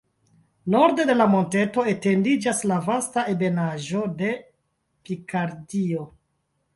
Norde de la monteto etendiĝas la vasta ebenaĵo de Pikardio.